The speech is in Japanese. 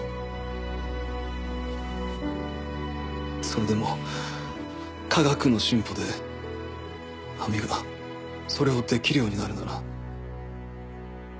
それでも科学の進歩で亜美がそれをできるようになるなら。